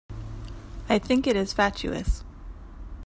I think it is fatuous.